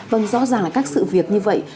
vâng rõ ràng là các sự việc như vậy